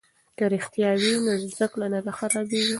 که رښتیا وي نو زده کړه نه خرابیږي.